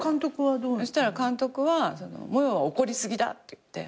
そしたら監督は「モヨは怒り過ぎだ」って言って。